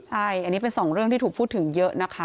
ใช่อันนี้เป็นสองเรื่องที่ถูกพูดถึงเยอะนะคะ